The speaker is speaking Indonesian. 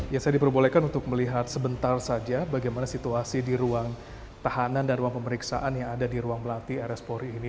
ya saya diperbolehkan untuk melihat sebentar saja bagaimana situasi di ruang tahanan dan ruang pemeriksaan yang ada di ruang melati rs polri ini